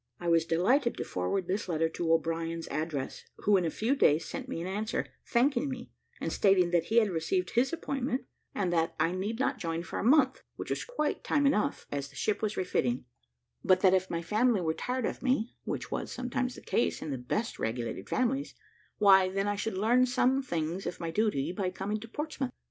I was delighted to forward this letter to O'Brien's address, who in a few days sent me an answer, thanking me, and stating that he had received his appointment, and that I need not join for a month, which was quite time enough, as the ship was refitting; but, that if my family were tired of me, which was sometimes the case in the best regulated families, why, then I should learn some thing of my duty by coming to Portsmouth.